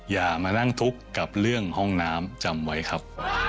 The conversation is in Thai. อย่ามานั่งทุกข์กับเรื่องห้องน้ำจำไว้ครับ